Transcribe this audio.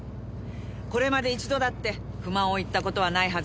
これまで一度だって不満を言った事はないはずです。